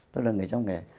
tôi là người trong nghề